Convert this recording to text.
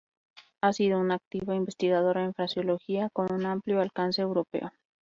Ha sido una activa investigadora en fraseología, con un amplio alcance europeo.